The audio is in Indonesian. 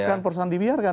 bukan perusahaan dibiarkan